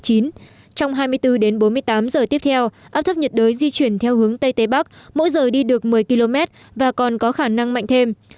dự báo trong vòng hai mươi bốn giờ tới áp thấp nhiệt đới di chuyển theo hướng tây bắc mỗi giờ đi được một mươi km và có khả năng mạnh thêm